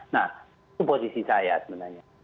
nah itu posisi saya sebenarnya